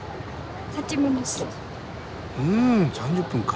うん３０分か。